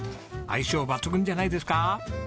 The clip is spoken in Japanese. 相性抜群じゃないですか。